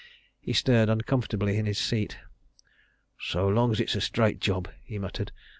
He stirred uncomfortably in his seat. "So long as it's a straight job," he muttered.